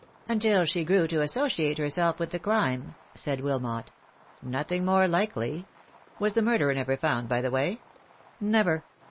"Until she grew to associate herself with the crime," said Wilmot. "Nothing more likely. Was the murderer never found, by the way?" "Never.''